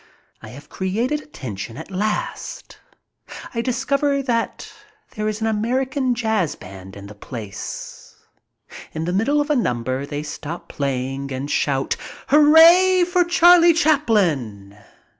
I have created attention at last. I discover that there is an American jazz band in the place. In the middle of a number they stop playing and shout : "Hooray for Charlie Chaplin!"